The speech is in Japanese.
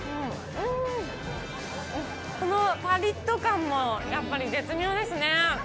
このぱりっと感もやっぱり絶妙ですね。